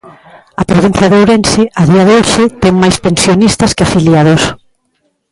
A provincia de Ourense, a día de hoxe, ten máis pensionistas que afiliados.